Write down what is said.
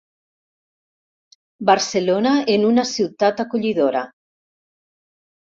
Barcelona en una ciutat acollidora.